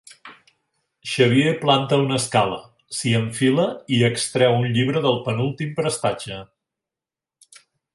Xavier planta una escala, s'hi enfila i extreu un llibre del penúltim prestatge.